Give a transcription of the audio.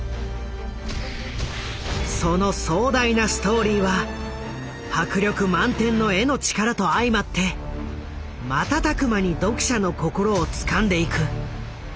その壮大なストーリーは迫力満点の絵の力と相まって瞬く間に読者の心をつかんでいく。